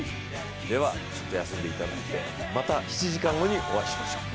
では、ちょっと休んでいただいて、また７時間後にお会いしましょう。